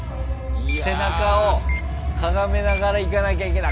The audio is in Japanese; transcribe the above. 背中をかがめながら行かなきゃいけない。